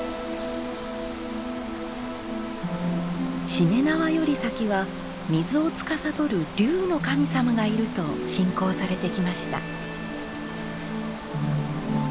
しめ縄より先は水をつかさどる龍の神様がいると信仰されてきました。